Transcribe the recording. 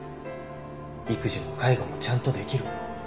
育児も介護もちゃんとできる」